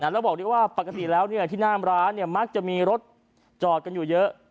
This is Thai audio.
เราบอกว่าถ้านามร้านปกติมักจะมีรถจอดกันอยู่เยอะ